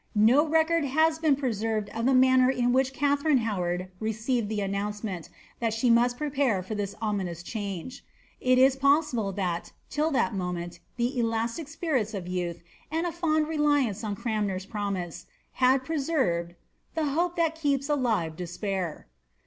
* No reconl has been preserved of the manner in which Katharine Howard receired the announcement, that she must prepare for this ominous change, li is possible that, till that moment, the elastic spirits of youth, and a fond reliance on Cranmer's promise, had preserved The hope that keeps alive despair."